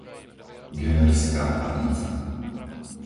Gemerská Panica